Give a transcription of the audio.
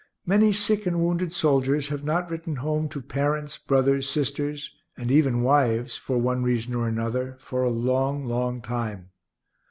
Many sick and wounded soldiers have not written home to parents, brothers, sisters, and even wives, for one reason or another, for a long, long time.